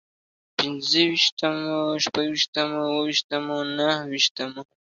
پنځه ويشتمو، شپږ ويشتمو، اووه ويشتمو، نهه ويشتمو